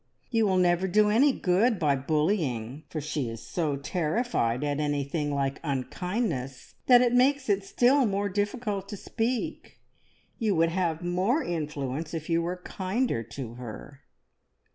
You will never do any good by bullying, for she is so terrified at anything like unkindness that it makes it still more difficult to speak. You would have more influence if you were kinder to her."